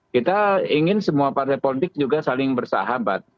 kita ingin semua partai politik juga saling bersahabat